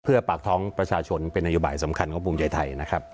เพื่อปากท้องประชาชนเป็นนโยบายสำคัญของภูมิใจไทยนะครับ